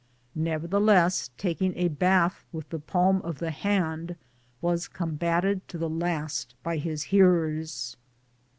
Nevertheless, tak ing a bath with the palm of the hand was combated to the last by his hearers.